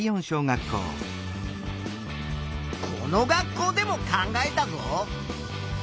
この学校でも考えたぞ。